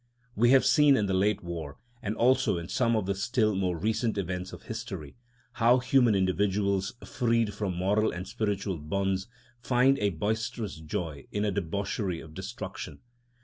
We have seen in the late war, and also in some of the still more recent events of history, how human individuals freed from moral and spiritual bonds find a boisterous joy in a debauchery of destruction.